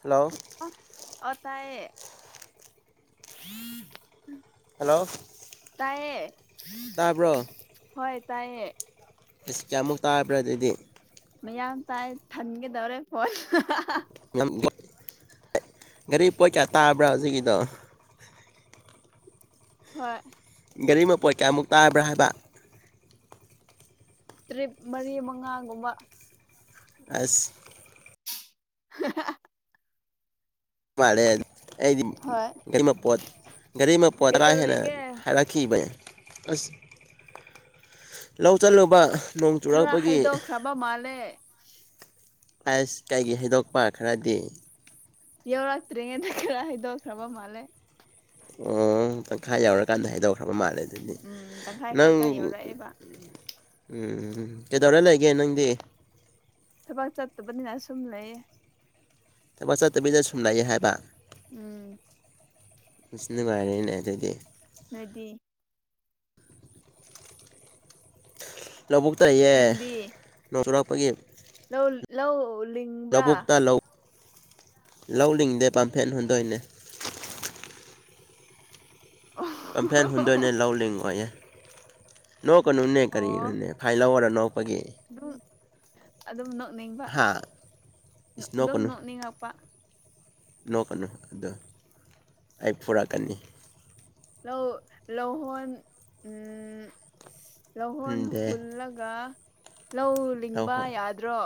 hello ꯑꯣ ꯇꯥꯏꯌꯦ hello ꯇꯥꯏꯌꯦ ꯇꯥꯕ꯭ꯔꯣ ꯍꯣꯏ ꯇꯥꯏꯌꯦ ꯏꯁ ꯀꯌꯥꯃꯨꯛ ꯇꯥꯕ꯭ꯔꯥ ꯑꯗꯨꯗꯤ ꯃꯌꯥꯝ ꯇꯥꯏ ꯊꯟꯒꯗꯧꯔꯦ ꯐꯣꯟ [unintelligible] ꯒꯥꯔꯤ ꯄꯣꯠ ꯀꯌꯥ ꯇꯥꯕ꯭ꯔꯥ ꯍꯧꯖꯤꯛꯀꯤꯗꯣ ꯍꯣꯏ ꯒꯥꯔꯤ ꯃꯄꯣꯠ ꯀꯌꯥꯃꯨꯛ ꯇꯥꯕ꯭ꯔꯥ ꯍꯥꯏꯕ ꯇꯔꯤꯞ ꯃꯔꯤ ꯃꯉꯥꯒꯨꯝꯕ ꯑꯁ [unintelligible] ꯃꯥꯂꯦ ꯑꯩꯗꯤ ꯍꯣꯏ ꯒꯥꯔꯤ ꯃꯄꫭꯠ ꯒꯥꯔꯤ ꯃꯄꯣꯠ ꯇꯔꯥ ꯍꯦꯟꯅ ꯀꯩꯇꯧꯔꯤꯒꯦ ꯍꯥꯏꯔꯛ ꯈꯤꯕꯅꯦ ꯑꯁ ꯂꯧ ꯆꯠꯂꯨꯕ ꯅꯣꯡ ꯈꯔ ꯆꯨꯔꯛꯄꯒꯤ ꯍꯥꯏꯗꯣꯛꯈ꯭ꯔꯕ ꯃꯥꯜꯂꯦ ꯑꯥꯏꯁ ꯀꯩꯒꯤ ꯍꯩꯗꯣꯛꯄ ꯈꯔꯗꯤ ꯌꯧꯔꯛꯇ꯭ꯔꯤꯉꯩꯗ ꯈꯔ ꯍꯩꯗꯣꯛꯈ꯭ꯔꯕ ꯃꯥꯜꯂꯦ ꯑꯣ ꯇꯪꯈꯥꯏ ꯌꯧꯔꯀꯥꯟꯗ ꯍꯥꯏꯗꯧꯈ꯭ꯔꯕ ꯃꯥꯜꯂꯦ ꯑꯗꯨ ꯎꯝ ꯇꯪꯈꯥꯏ ꯅꯪ ꯈꯛꯇ ꯌꯧꯔꯛꯑꯦꯕ ꯎꯝ ꯀꯩꯗꯧꯔ ꯂꯩꯒꯦ ꯅꯪꯗꯤ ꯊꯕꯛ ꯆꯠꯇꯕꯅꯤꯅ ꯁꯨꯝ ꯂꯩꯌꯦ ꯊꯕꯛ ꯆꯠꯇꯕꯤꯗ ꯁꯨꯝ ꯂꯩꯩ ꯍꯥꯏꯕ ꯎꯝ ꯏꯁ ꯅꯨꯡꯉꯥꯏꯔꯦꯅꯦ ꯑꯗꯨꯗꯤ ꯅꯣꯏꯗꯤ ꯂꯧꯕꯨꯛꯇ ꯂꯩꯌꯦ ꯅꯪꯗꯤ ꯅꯣꯡ ꯆꯨꯔꯛꯄꯒꯤ ꯂꯧ ꯂꯧ ꯂꯤꯡꯕ꯭ꯔꯥ ꯂꯧꯅꯤꯡꯡꯗꯦ ꯄꯥꯝꯐꯦꯟ ꯍꯨꯟꯗꯣꯏꯅꯦ ꯑꯣ ꯄꯥꯝꯐ꯭ꯦꯟ ꯍꯨꯟꯗꯣꯏꯅꯦ ꯂꯧ ꯂꯤꯡꯉꯣꯏꯌꯦ ꯅꯣꯛꯀꯅꯨꯅꯦ ꯑꯣ ꯀꯔꯤꯅꯣꯅꯦ ꯐꯥꯏꯜ ꯂꯧꯔ ꯅꯣꯛꯄꯒꯤ ꯑꯗꯨꯝ ꯑꯗꯨꯝ ꯅꯣꯛꯅꯤꯡꯕ ꯍꯥ ꯏꯁ ꯑꯗꯨꯝ ꯅꯣꯛꯀꯅꯨ ꯅꯣꯛꯅꯤꯡꯉꯛꯄ ꯅꯣꯛꯀꯅꯨ ꯑꯩ ꯐꯨꯔꯛꯀꯅꯤ ꯂꯧ ꯂꯧꯍꯣꯟ ꯎꯝ ꯂꯧꯍꯣꯟ ꯍꯨꯟꯗꯦ ꯍꯨꯜꯂꯒ ꯂꯧ ꯂꯧ ꯂꯤꯡꯕ ꯍꯣꯏ ꯌꯥꯗ꯭ꯔꯣ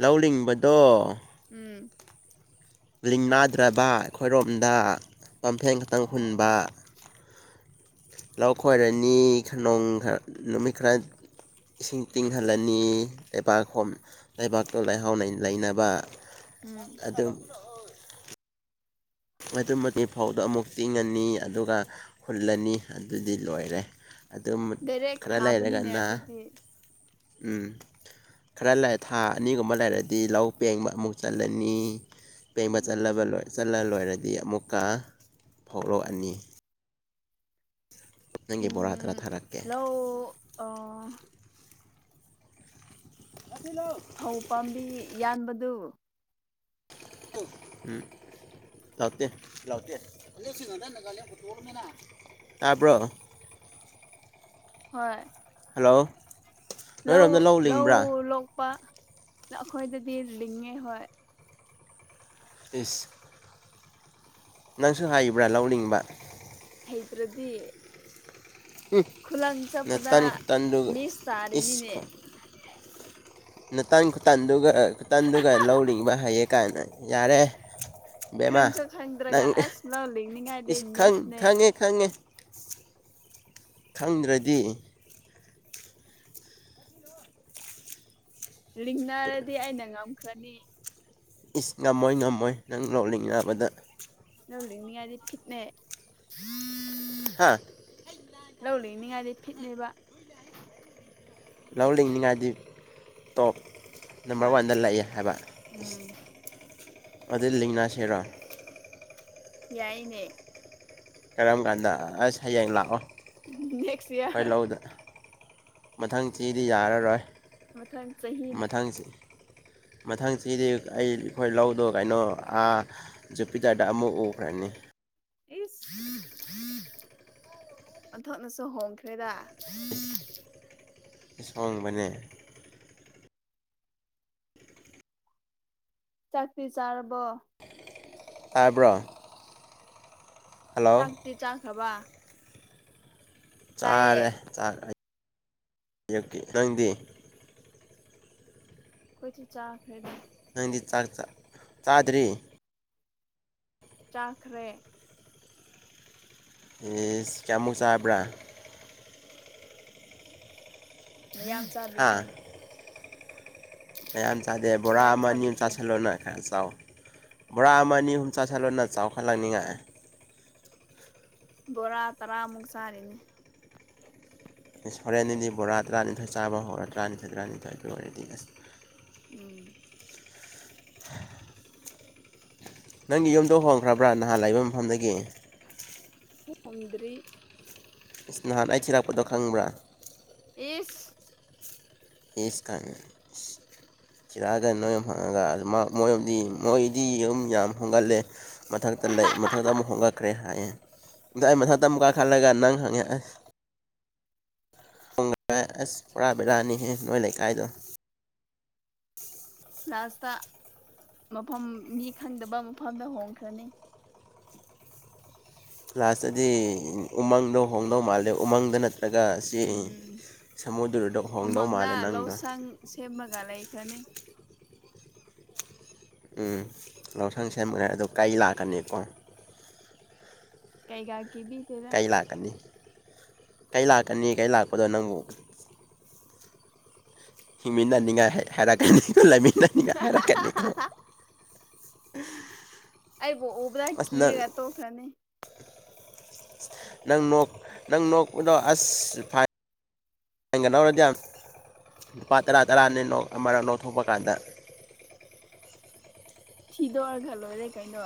ꯂꯧ ꯂꯤꯡꯕꯗꯣ ꯎꯝ ꯂꯤꯡ ꯅꯥꯗ꯭ꯔꯕ ꯑꯩꯈꯣꯏꯔꯣꯝꯗ ꯄꯝꯐꯦꯟ ꯈꯛꯇꯪ ꯍꯨꯟꯕ ꯑꯣ ꯂꯧ ꯈꯣꯏꯔꯅꯤ ꯅꯣꯡ ꯈꯔ ꯅꯨꯃꯤꯠ ꯈꯔ ꯏꯁꯤꯡ ꯇꯤꯡꯍꯜꯂꯅꯤ ꯂꯩꯕꯥꯛꯈꯣꯝ ꯂꯩꯕꯥꯛꯇꯣ ꯂꯩꯍꯥꯎ ꯂꯩꯅꯕ ꯎꯝ ꯑꯗꯨꯝ ꯑꯗꯨ ꯃꯗꯤ ꯐꯧꯗꯣ ꯑꯃꯨꯛ ꯇꯤꯡꯉꯅꯤ ꯑꯗꯨꯒ ꯍꯨꯜꯂꯅꯤ ꯑꯗꯨꯗꯤ ꯂꯣꯏꯔꯦ ꯑꯗꯨꯝ ꯗꯥꯏꯔꯦꯛ ꯈꯔ ꯊꯥꯕꯅꯤꯅꯦ ꯂꯩꯔꯒꯅ ꯑꯗꯨꯗꯤ ꯎꯝ ꯈꯔ ꯂꯩꯔ ꯊꯥ ꯑꯅꯤꯒꯨꯝꯕ ꯂꯩꯔꯗꯤ ꯂꯧ ꯄꯦꯡꯕ ꯑꯃꯨꯛ ꯆꯠꯂꯦ ꯆꯠꯂꯅꯤ ꯄꯦꯡꯕ ꯆꯠꯂ ꯎꯝ ꯆꯠꯂ ꯂꯣꯏꯔꯗꯤ ꯗꯤ ꯑꯃꯨꯛꯀ ꯐꯥꯎ ꯂꯣꯛ ꯑꯅꯤ ꯅꯪꯒꯤ ꯕꯣꯔꯥ ꯇꯔꯥ ꯎꯝ ꯊꯥꯔꯛꯀꯦ ꯂꯧ ꯑ [unintelligible] ꯑꯧ ꯄꯥꯝꯕꯤ ꯌꯥꯟꯕꯗꯨ ꯎꯝ ꯂꯥꯛꯇꯦ ꯇꯥꯕ꯭ꯔꯣ ꯍꯣꯏ ꯍꯂꯣ ꯂꯧ ꯂꯧ ꯂꯣꯛꯄ ꯑꯩꯈꯣꯏꯗꯗꯤ ꯂꯤꯡꯉꯦ ꯍꯣꯏ ꯏꯁ ꯅꯪꯁꯨ ꯍꯥꯏꯩꯕ꯭ꯔꯥ ꯂꯥꯎꯂꯤꯤꯡꯕ ꯍꯩꯇꯔꯗꯤ ꯎꯝ ꯈꯨꯂꯪ ꯆꯠꯄꯗ ꯅꯇꯟ ꯈꯨꯇꯟꯗꯨꯒ ꯅꯁ ꯇꯥꯔꯦꯅꯤꯅꯦ ꯏꯁ ꯅꯇꯟ ꯈꯨꯇꯟꯗꯨꯒ ꯈꯨꯇꯟꯗꯨꯒ ꯂꯧ ꯂꯤꯡꯕ ꯍꯩꯌꯦ ꯀꯥꯏꯅ ꯌꯥꯔꯦ ꯕꯦꯝꯃꯥ ꯈꯪꯁꯨ ꯈꯪꯗ꯭ꯔꯒ ꯅꯪ ꯑꯁ ꯂꯧ ꯂꯤꯡꯅꯤꯡꯉꯥꯏꯗꯤ ꯏꯁ ꯈꯪ ꯃꯤꯁꯅꯦ ꯈꯡꯉꯦ ꯈꯪꯉꯦ ꯈꯪꯗ꯭ꯔꯗꯤ ꯂꯤꯡꯅꯔꯗꯤ ꯑꯩꯅ ꯉꯝꯈ꯭ꯔꯅꯤ ꯏꯁ ꯉꯝꯃꯣꯏ ꯉꯝꯃꯣꯏ ꯅꯪ ꯂꯣꯛꯂꯤ ꯕꯗ ꯅꯧꯅꯤꯌꯥꯗꯤꯠ ꯈꯤꯠꯅꯦ ꯍꯥꯥ ꯂꯧ ꯂꯤꯡꯅꯤꯡꯉꯥꯏꯗꯤ ꯐꯤꯠꯅꯦꯕ ꯂꯧ ꯂꯤꯡꯅꯤꯡꯉꯥꯏꯗꯤ ꯇꯣꯞ ꯅꯝꯕꯔ ꯍꯣꯏ ꯋꯥꯟꯗ ꯂꯥꯛꯑꯦ ꯍꯥꯏꯕ ꯎꯝ ꯑꯗꯨꯗꯩ ꯂꯤꯡꯅꯥ ꯁꯦꯔꯥ ꯌꯥꯏꯅꯦ ꯀꯔꯝ ꯀꯥꯟꯗ ꯑꯁ ꯍꯌꯦꯡ ꯂꯥꯛꯑꯣ ꯅꯦꯛꯁ ꯑꯩꯈꯣꯏ ꯏꯌꯥꯔ ꯂꯧꯗ ꯃꯊꯪ ꯆꯤꯗꯤ ꯌꯥꯔꯔꯣꯏ ꯃꯊꯪ ꯆꯍꯤꯅ ꯃꯊꯪ ꯆꯤ ꯃꯊꯪꯁꯤꯗꯤ ꯑꯩ ꯑꯩꯈꯣꯏ ꯂꯧꯗꯣ ꯀꯩꯅꯣ ꯖꯨꯄꯤꯇꯔꯗ ꯑꯃꯨꯛ ꯎꯈꯔꯅꯤ ꯏꯁ ꯑꯣꯟꯊꯣꯛꯅꯁꯨ ꯍꯣꯡꯈ꯭ꯔꯦꯗ ꯁꯣꯡꯕꯅꯦ ꯆꯥꯛꯇꯤ ꯆꯥꯔꯕꯣ ꯇꯥꯕ꯭ꯔꯣ ꯍꯜꯂꯣ ꯆꯥꯛꯇꯤ ꯆꯥꯈ꯭ꯔꯕ ꯇꯥꯏꯌꯦ ꯆꯥꯔꯦ ꯑ ꯅꯪꯗꯤ ꯑꯩꯈꯣꯏꯁꯨ ꯆꯥꯈ꯭ꯔꯦꯗ ꯅꯪꯗꯤ ꯆꯥꯛ ꯆꯥꯗ꯭ꯔꯤ ꯆꯥꯈ꯭ꯔꯦ ꯏꯁ ꯀꯌꯥꯃꯨꯛ ꯆꯥꯕ꯭ꯔꯥ ꯌꯥꯝꯟ ꯁꯥꯕꯤꯛ꯭ꯔꯦ ꯍꯥ ꯃꯌꯥꯝ ꯆꯥꯗꯦ ꯕꯣꯔꯥ ꯑꯃ ꯅꯤꯣꯝ ꯆꯥꯁꯤꯜꯂꯣꯅ ꯈꯔ ꯆꯥꯎ ꯕꯣꯔꯥ ꯑꯃ ꯑꯅꯤ ꯑꯍꯨꯝ ꯆꯥꯥꯁꯂꯂꯣꯟꯅ ꯆꯥꯎꯈꯠꯂꯛꯅꯤꯡꯉꯛꯑꯦ ꯕꯣꯔꯥ ꯇꯔꯥꯃꯨꯛ ꯆꯥꯔꯤꯅꯦ ꯍꯣꯔꯦꯟꯅꯤꯗꯤ ꯕꯣꯔꯥ ꯇꯔꯥꯅꯤꯊꯣꯏ ꯆꯥꯕ ꯍꯣꯔꯥ ꯇꯔꯥꯅꯤꯊꯣꯏ ꯇꯔꯥꯅꯤꯊꯣꯏꯗꯨ ꯑꯣꯏꯔꯗꯤ ꯑꯁ ꯎꯝ ꯅꯪꯒꯤ ꯌꯨꯝꯗ ꯍꯣꯡꯈ꯭ꯔꯕ꯭ꯔꯥ ꯅꯍꯥꯟ ꯂꯩꯕ ꯃꯐꯝꯗꯒꯤ ꯊꯣꯡꯗ꯭ꯔꯤ ꯏꯁ ꯅꯍꯥꯟ ꯑꯩ ꯊꯤꯔꯛꯄꯗꯣ ꯈꯪꯕ꯭ꯔꯥ ꯑꯦ ꯏꯁ ꯀꯑꯦ ꯏꯁ [unintelligible] ꯆꯤꯜꯑꯒ ꯅꯣꯏ ꯍꯪꯉꯒ ꯃ ꯃꯣꯏꯗꯤ ꯃꯣꯢꯗꯤ ꯌꯨꯝ ꯌꯥꯝ ꯍꯣꯡꯒꯠꯂꯦ ꯃꯊꯛꯇ ꯂꯩ ꯃꯊꯛꯇ ꯑꯃꯨꯛ ꯍꯣꯡꯒꯠꯈ꯭ꯔꯦ ꯍꯥꯏꯌꯦ ꯑꯗꯣ ꯑꯩ ꯃꯊꯛꯇ ꯑꯃꯨꯛ ꯀꯥꯈꯠꯂꯒ ꯅꯪ ꯍꯪꯉꯦ ꯑꯁ ꯈ ꯑꯁ ꯄꯨꯔꯥ ꯕꯤꯔꯥꯅꯤꯍꯦ ꯅꯣꯏ ꯂꯩꯀꯥꯏꯗꯣ ꯂꯥꯁꯇ ꯃꯐꯝ ꯃꯤ ꯈꯪꯗꯕ ꯃꯐꯝꯗ ꯍꯣꯡꯈ꯭ꯔꯅꯤ ꯂꯥꯁꯇꯗꯤ ꯎꯃꯪꯗꯣ ꯍꯣꯡꯗꯧ ꯃꯥꯜꯂꯦ ꯎꯃꯪꯗ ꯅꯠꯇ ꯅꯂꯒ ꯆꯦ ꯎꯝ ꯁꯃꯨꯗ꯭ꯔꯗ ꯍꯣꯡꯗꯧ ꯃꯥꯜꯂꯦ ꯅꯪꯗꯣ ꯁꯦꯝꯔꯒ ꯂꯩꯈ꯭ꯔꯅꯤ ꯎꯝ ꯂꯎꯁꯪ ꯁꯦꯝꯈ꯭ꯔꯦ ꯑꯗꯣ ꯀꯩ ꯂꯥꯛꯀꯅꯤꯀꯣ ꯀꯩꯒꯥꯀꯤꯕꯤ ꯀꯩ ꯂꯥꯛꯀꯅꯤ ꯀꯩ ꯂꯥꯛꯀꯅꯤ ꯀꯩ ꯂꯥꯛꯄꯗꯣ ꯅꯪꯕꯨ ꯍꯤꯡꯃꯤꯟꯅꯅꯤꯡꯉꯥꯏ ꯍꯥꯏꯔꯛ ꯀꯅꯤ ꯂꯩꯃꯤꯟꯅꯅꯤꯡꯉꯥꯏ ꯍꯥꯏꯔꯛꯀꯅꯤꯀꯣ ꯎꯝ ꯑꯩꯕꯨ ꯎꯕꯗ ꯀꯤꯔꯒ ꯇꯣꯛꯈ꯭ꯔꯅꯤ ꯅꯪ ꯅꯪ ꯅꯣꯛꯄꯗꯣ ꯑꯁꯒ ꯍꯧꯔꯗꯤ ꯌꯥꯝ ꯂꯨꯄꯥ ꯇꯔꯥ ꯇꯔꯥꯅꯤ ꯅ ꯑꯃꯔ ꯅꯣꯛ ꯊꯣꯛꯄ ꯀꯥꯟꯗ ꯊꯤꯗꯣꯛꯑꯒ ꯂꯣꯏꯔꯦ ꯀꯩꯅꯣ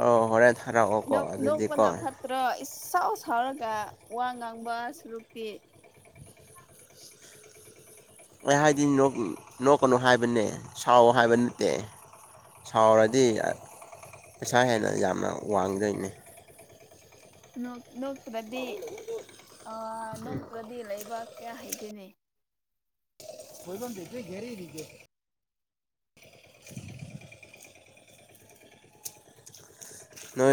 ꯑ ꯍꯔꯦ ꯊꯔꯥꯎꯒꯀꯣ ꯑꯗꯨꯗꯤꯀꯣ ꯇ꯭ꯔꯣ ꯏꯁꯥꯎ ꯁꯥꯎꯔꯒ ꯋꯥ ꯉꯥꯡꯕ ꯁꯨꯔꯨꯛꯇꯤ ꯑꯩ ꯍꯥꯏꯗꯤ ꯅꯣꯛꯀꯅꯨ ꯍꯥꯏꯕꯅꯦ ꯁꯥꯎꯑꯣ ꯍꯥꯏꯕ ꯅꯠꯇꯦ ꯁꯥꯎꯔꯗꯤ ꯄꯩꯁꯥ ꯍꯦꯟꯅ ꯌꯥꯝꯅ ꯋꯥꯡꯒꯗꯣꯏꯅꯦ ꯅꯣꯛꯇ꯭ꯔꯗꯤ ꯅꯣꯛꯇ꯭ꯔꯗꯤ ꯂꯩꯕꯥꯛ ꯀꯌꯥ ꯍꯩꯗꯣꯏꯅꯤ ꯑꯩꯣꯏꯕ ꯊꯦꯇꯦ ꯦꯔꯤꯔꯤꯒꯦ ꯅ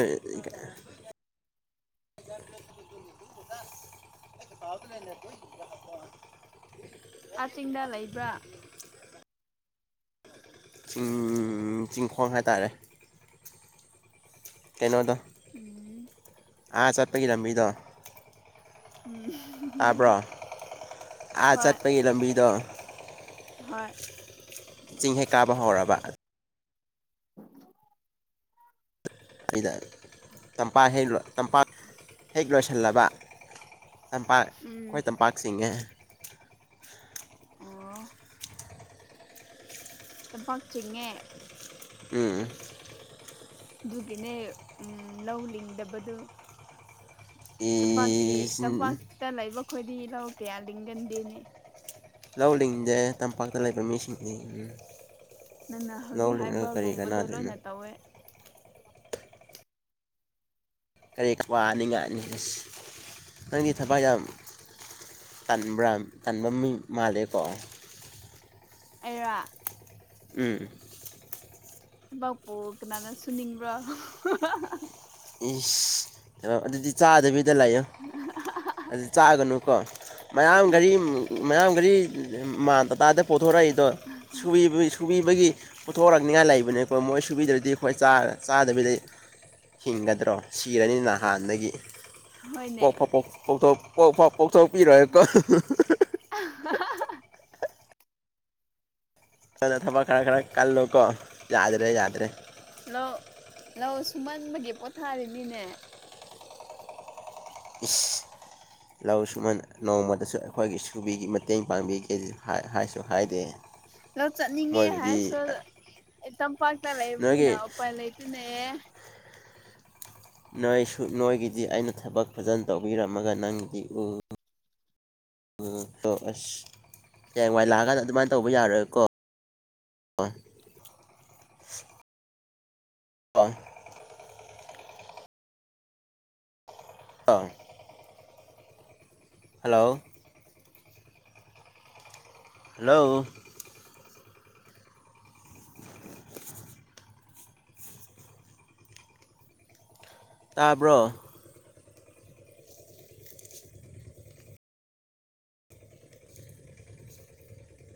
[unintelligible] [unintelligible] ꯀꯥꯛꯆꯤꯡꯗ ꯂꯩꯕ꯭ꯔꯥ ꯎꯝ ꯎꯝ ꯆꯤꯡꯈꯣꯡ ꯍꯥꯏꯇꯥꯔꯦ ꯀꯩꯅꯣꯗꯣ ꯎꯝ ꯑꯥ ꯆꯠꯄꯒꯤ ꯂꯝꯕꯤꯗꯣ ꯎꯝ ꯇꯥꯕ꯭ꯔꯣ ꯑꯥ ꯍꯣꯏ ꯆꯠꯄꯒꯤ ꯂꯝꯕꯤꯗꯣ ꯍꯣꯏ ꯆꯤꯡ ꯍꯦꯛ ꯀꯥꯕ ꯍꯧꯔꯕ ꯎꯝ ꯑꯩꯗ ꯇꯝꯄꯥꯛ ꯍꯦꯛ ꯇꯝꯄꯥꯛ ꯍꯦꯛ ꯂꯣꯏꯁꯤꯜꯂꯕ ꯇꯝꯄꯥꯛ ꯑꯩꯈꯣꯏ ꯎꯝ ꯇꯝꯄꯥꯛ ꯆꯉꯦ ꯑꯥ ꯄꯥꯆꯦꯉꯦ ꯎꯝ ꯑꯗꯨꯒꯤꯅꯦ ꯎꯝ ꯂꯧ ꯂꯤꯡꯗꯕꯗꯨ ꯇꯝꯄꯥꯛꯀꯤ ꯇꯝꯄꯥꯛꯇ ꯂꯩꯕ ꯈꯣꯏꯗꯤ ꯂꯧ ꯀꯌꯥ ꯂꯤꯡꯒꯟꯗꯦꯅꯦ ꯂꯥꯎꯗꯤꯡꯁꯦ ꯇꯝꯄꯥꯛꯇ ꯂꯩꯕ ꯃꯤꯁꯤꯡꯁ ꯎꯝ ꯅꯪꯅ ꯍꯧꯖꯤꯛ ꯂꯧꯂꯤꯉꯒ ꯀꯔꯤ ꯍꯥꯏꯕꯒꯨꯝꯕꯗꯣ ꯀꯅꯥꯗꯅꯣ ꯂꯣꯏꯅ ꯇꯧꯋꯦ ꯀꯔꯤ ꯋꯥꯅꯤꯉꯥꯏꯅꯤ ꯅꯪꯒꯤ ꯊꯕꯛ ꯌꯥꯝ ꯇꯥꯟꯕ꯭ꯔ ꯇꯥꯟꯐꯝꯃꯤ ꯃꯥꯜꯂꯦꯀꯣ ꯑꯩꯔ ꯎꯝ ꯊꯕꯥꯛꯄꯨ ꯀꯅꯥꯅ ꯁꯨꯅꯤꯡꯕ꯭ꯔꯥ ꯏꯁ ꯑꯗꯨꯗꯤ ꯆꯥꯗꯕꯤꯗ ꯂꯥꯛꯦ ꯎ ꯑꯗꯨ ꯆꯥꯛꯒꯅꯨ ꯀꯣ ꯃꯌꯥꯝ ꯒꯥꯔꯤ ꯃꯌꯥꯝ ꯒꯥꯔꯤ ꯃꯥ ꯇꯇꯥꯗ ꯄꯨꯣꯊꯣꯔꯛꯏꯗꯣ ꯁꯨ ꯁꯨꯕꯤꯕꯒꯤ ꯄꯨꯊꯣꯔꯣꯔꯛꯅꯤꯉꯥꯏ ꯂꯩꯕꯅꯤꯀꯣ ꯃꯣꯏ ꯁꯨꯕꯤꯗ꯭ꯔꯗꯤ ꯑꯩꯈꯣꯏ ꯆꯥꯗꯕꯤꯗ ꯍꯤꯡꯒꯗ꯭ꯔꯣ ꯁꯤꯔꯅꯤꯅ ꯍꯥꯟꯅꯗꯒꯤ ꯍꯣꯏꯅꯦ ꯄꯣꯛ ꯐ ꯐꯊ ꯣꯛ ꯄꯣꯛꯆꯥꯎ ꯄꯤꯔꯑꯦꯀꯣ ꯑ ꯈꯅ ꯊꯕꯛ ꯈꯔ ꯈꯔ ꯀꯜꯂꯨꯀꯣ ꯌꯥꯗ꯭ꯔꯦ ꯌꯥꯗ꯭ꯔꯦ ꯂꯧ ꯂꯧ ꯁꯨꯝꯃꯟꯕꯒꯤ ꯄꯣꯊꯥꯔꯤꯅꯤꯅꯦ ꯏ ꯂꯧ ꯁꯨꯍ ꯅꯣꯡꯃꯗꯁꯨ ꯑꯩꯈꯣꯏꯒꯤ ꯁꯨꯕꯤꯒꯤ ꯃꯇꯦꯡ ꯄꯥꯡꯕꯤꯒꯦ ꯍꯥꯏꯁꯨ ꯍꯥꯏꯗꯦ ꯂꯣ ꯆꯠꯅꯤꯡꯉꯦ ꯃꯣꯏꯒꯤꯗꯤ ꯍꯥꯏꯔꯁꯨ ꯇꯝꯄꯥꯛꯇ ꯂꯩꯕꯅꯤꯅ ꯅꯣꯏꯒꯤ ꯎꯄꯥꯏ ꯂꯩꯇ ꯑꯗꯨꯅꯦꯌꯦ ꯅꯣꯏꯁꯨ ꯅꯣꯏꯒꯤꯗꯤ ꯑꯩꯅ ꯊꯕꯛ ꯐꯖꯅ ꯇꯧꯕꯤꯔꯝꯃꯒ ꯅꯪꯒꯤꯗꯤ ꯎ ꯎꯝ ꯍ ꯑꯁ ꯍꯌꯦ ꯋꯥꯏ ꯂꯥꯛꯑꯀꯥꯟꯗ ꯑꯗꯨꯃꯥꯏꯅ ꯇꯧꯕ ꯌꯥꯔꯣꯏꯀꯣ ꯍꯜꯂꯣ ꯍꯜꯂꯣ [unintelligible] ꯇꯥꯕ꯭ꯔꯣ